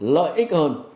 lợi ích hơn